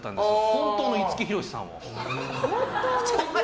本当の五木ひろしさんを。